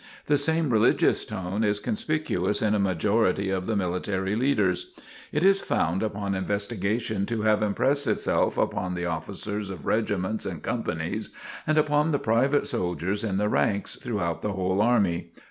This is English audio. The same religious tone is conspicuous in a majority of the military leaders. It is found upon investigation to have impressed itself upon the officers of regiments and companies and upon the private soldiers in the ranks throughout the whole army.